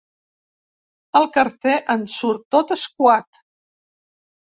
El carter en surt tot escuat.